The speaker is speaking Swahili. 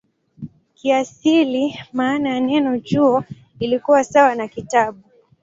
Kiasili maana ya neno "chuo" ilikuwa sawa na "kitabu".